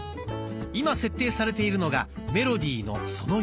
今設定されているのがメロディのその１。